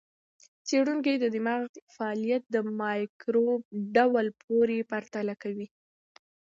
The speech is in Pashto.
څېړونکي د دماغ فعالیت د مایکروب ډول پورې پرتله کوي.